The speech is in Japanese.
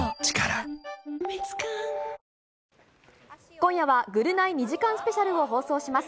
今夜はぐるナイ２時間スペシャルを放送します。